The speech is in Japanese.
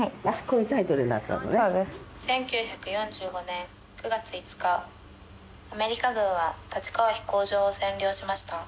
１９４５年９月５日アメリカ軍は立川飛行場を占領しました。